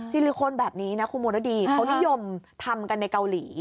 ลิโคนแบบนี้นะคุณมรดีเขานิยมทำกันในเกาหลี